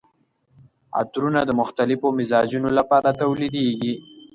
عطرونه د مختلفو مزاجونو لپاره تولیدیږي.